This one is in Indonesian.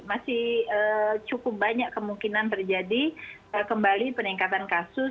masih cukup banyak kemungkinan terjadi kembali peningkatan kasus